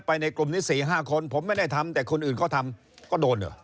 ในกลุ่มนี้๔๕คนผมไม่ได้ทำแต่คนอื่นเขาทำก็โดนเหรอ